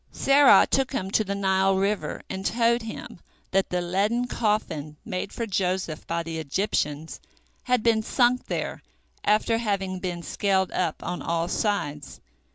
Serah took him to the Nile river, and told him that the leaden coffin made for Joseph by the Egyptians had been sunk there after having been scaled up on all sides.